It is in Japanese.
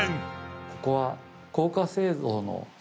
ここは。